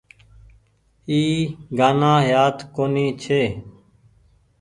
اي گآنآ يآد ڪونيٚ ڇي۔